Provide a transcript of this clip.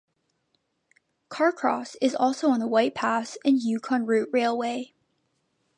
Carcross is also on the White Pass and Yukon Route railway.